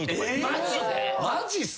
マジっすか？